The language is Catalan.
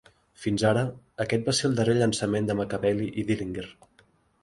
Fins ara, aquest va ser el darrer llançament de Makaveli i Dillinger.